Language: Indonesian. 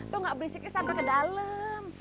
tuh gak berisiknya sampai ke dalam